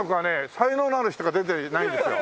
才能のある人が出てないんですよ。